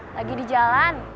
lagi di jalan